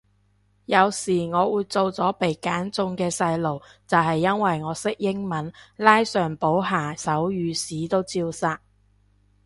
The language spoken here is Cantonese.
有時我會做咗被揀中嘅細路就係因為我識英文，拉上補下手語屎都照殺